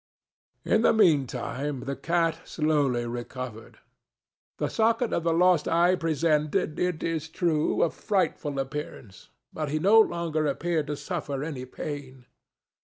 In the meantime the cat slowly recovered. The socket of the lost eye presented, it is true, a frightful appearance, but he no longer appeared to suffer any pain.